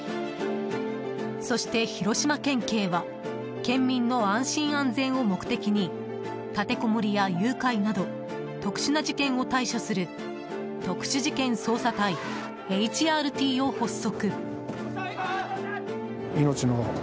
そして、広島県警は県民の安心・安全を目的に立てこもりや誘拐など特殊な事件を対処する特殊事件捜査隊、ＨＲＴを発足。